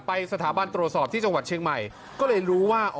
สถาบันตรวจสอบที่จังหวัดเชียงใหม่ก็เลยรู้ว่า